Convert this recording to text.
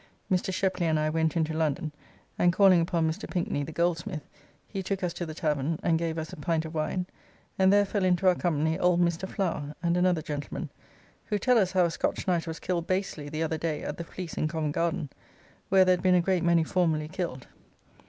Mr. Shepley and I went into London, and calling upon Mr. Pinkney, the goldsmith, he took us to the tavern, and gave us a pint of wine, and there fell into our company old Mr. Flower and another gentleman; who tell us how a Scotch knight was killed basely the other day at the Fleece in Covent Garden, where there had been a great many formerly killed.